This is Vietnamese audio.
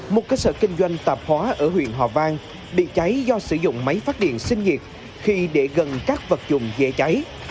một cơ sở kinh doanh tạp hóa ở huyện hòa vang bị cháy do sử dụng máy phát điện sinh nhiệt khi để gần các vật dụng dễ cháy